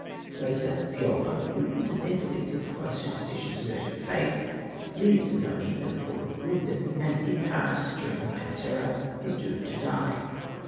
Later Viola, who incidentally typifies Superstition deserting Faith, leaves Zanoni at the call of Glyndon, and in Paris, during the Reign of Terror, is doomed to die.